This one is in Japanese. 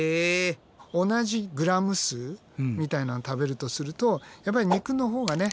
同じグラム数みたいなのを食べるとするとやっぱり肉のほうがね